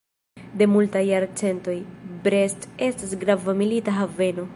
De multaj jarcentoj, Brest estas grava milita haveno.